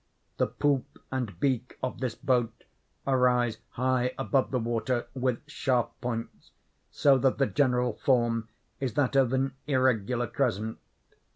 The poop and beak of this boat arise high above the water, with sharp points, so that the general form is that of an irregular crescent.